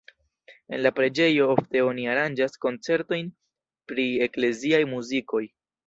En la preĝejo ofte oni aranĝas koncertojn pri ekleziaj muzikoj.